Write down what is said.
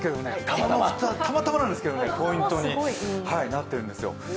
たまたまなんですけれども、ポイントになってるんですよ。